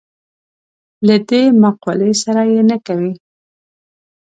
له دې مقولې سره یې نه کوي.